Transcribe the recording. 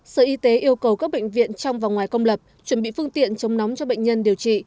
sở y tế yêu cầu các bệnh viện trong và ngoài công lập chuẩn bị phương tiện chống nóng cho bệnh nhân điều trị